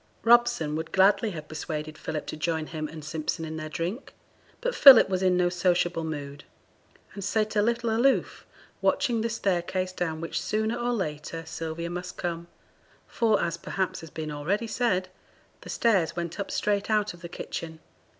Robson would gladly have persuaded Philip to join him and Simpson in their drink, but Philip was in no sociable mood, and sate a little aloof, watching the staircase down which sooner or later Sylvia must come; for, as perhaps has been already said, the stairs went up straight out of the kitchen.